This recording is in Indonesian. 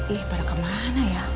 ih pada kemana ya